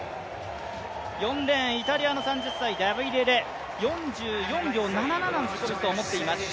４レーンイタリアの３０歳、４４秒７７の自己ベストを持っています。